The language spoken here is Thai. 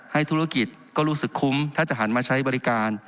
ธุรกิจก็รู้สึกคุ้มถ้าจะหันมาใช้บริการ